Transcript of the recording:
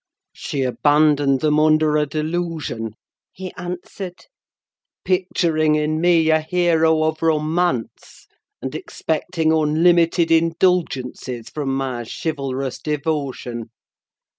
"She abandoned them under a delusion," he answered; "picturing in me a hero of romance, and expecting unlimited indulgences from my chivalrous devotion.